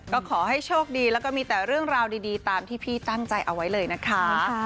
ก็ขอให้โชคดีแล้วก็มีแต่เรื่องราวดีตามที่พี่ตั้งใจเอาไว้เลยนะคะ